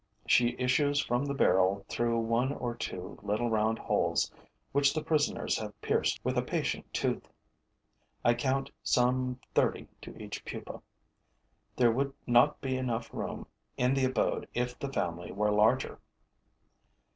She issues from the barrel through one or two little round holes which the prisoners have pierced with a patient tooth. I count some thirty to each pupa. There would not be enough room in the abode if the family were larger.